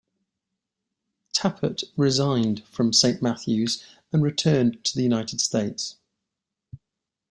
Tappert resigned from Saint Matthew's and returned to the United States.